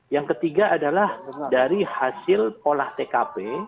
yang ketiga adalah dari hasil olah tkp